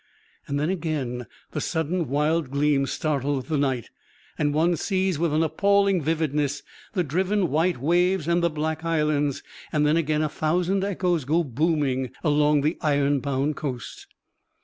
And then again the sudden wild gleam startles the night, and one sees, with an appalling vividness, the driven white waves and the black islands; and then again a thousand echoes go booming, along the iron bound coast.